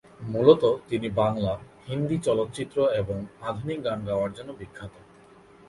মূলত তিনি বাংলা, হিন্দি চলচ্চিত্র এবং আধুনিক গান গাওয়ার জন্য বিখ্যাত।